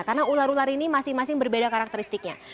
karena ular ular ini masing masing berbeda karakteristiknya